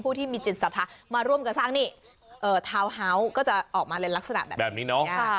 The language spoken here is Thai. ที่มีจิตศรัทธามาร่วมกับสร้างนี่ทาวน์เฮาส์ก็จะออกมาเล่นลักษณะแบบนี้เนาะ